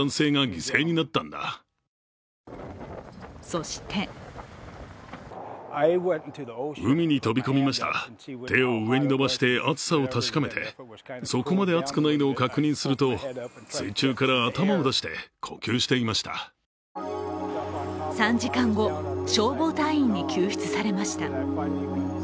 そして３時間後、消防隊員に救出されました。